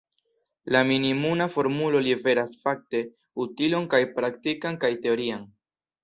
La minimuma formulo liveras, fakte, utilon kaj praktikan kaj teorian.